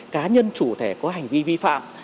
cá nhân chủ thể có hành vi vi phạm